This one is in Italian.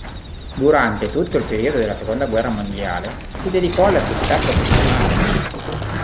Durante tutto il periodo della seconda guerra mondiale si dedicò all'attività professionale.